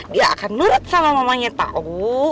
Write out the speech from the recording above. dia akan nurut sama mamanya tahu